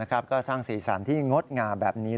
ก็สร้างสีสันที่งดงามแบบนี้